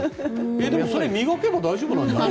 でも、それは磨けば大丈夫なんじゃない？